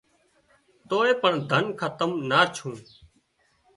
توئي پڻ ڌنَ کتم نا ڇُون